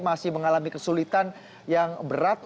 masih mengalami kesulitan yang berat